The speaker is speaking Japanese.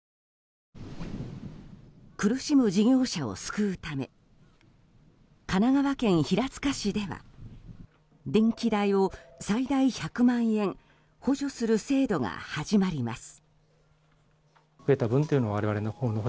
苦しむ事業者を救うため神奈川県平塚市では電気代を最大１００万円補助する制度が始まります。